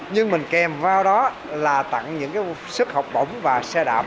nhưng mình kèm vào đó là tặng những sức học bổng và xe đạp